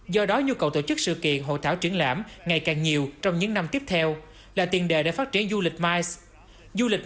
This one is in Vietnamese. do đó nhu cầu tổ chức sự kiện hộ thảo triển lãm ngày càng nhiều trong những năm tiếp theo là tiền đề để phát triển du lịch mice